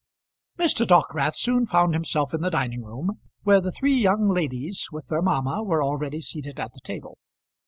Mr. Dockwrath soon found himself in the dining room, where the three young ladies with their mamma were already seated at the table.